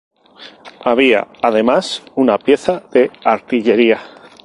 Había además una pieza de artillería.